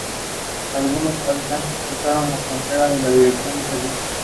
Algunos habitantes cruzaron la frontera en dirección a Serbia.